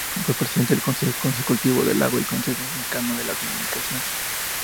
Fue presidente del Consejo Consultivo del Agua y del Consejo Mexicano de la Comunicación.